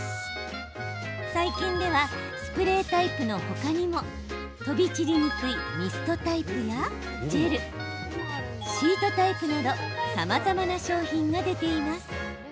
最近ではスプレータイプの他にも飛び散りにくいミストタイプやジェル、シートタイプなどさまざまな商品が出ています。